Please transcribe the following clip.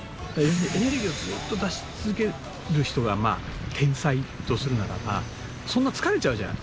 エネルギーをずっと出し続ける人が天才とするならばそんな疲れちゃうじゃん。